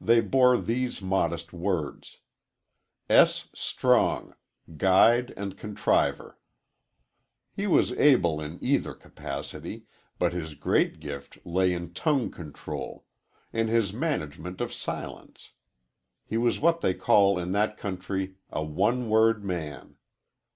They bore these modest words: S. STRONG GUIDE AND CONTRIVER He was able in either capacity, but his great gift lay in tongue control in his management of silence. He was what they called in that country "a one word man."